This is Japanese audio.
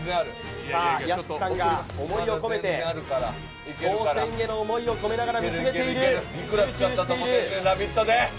屋敷さんが思いを込めて当選への思いを込めながら見つめている、集中している。